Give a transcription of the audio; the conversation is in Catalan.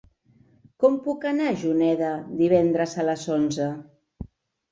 Com puc anar a Juneda divendres a les onze?